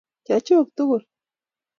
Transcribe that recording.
chechuk tugul